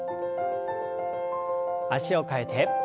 脚を替えて。